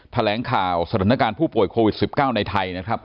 แถลงข่าวสถานการณ์ผู้ป่วยโควิด๑๙ในไทยนะครับ